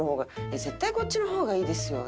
「えっ絶対こっちの方がいいですよ」。